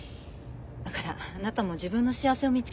だからあなたも自分の幸せを見つけてね。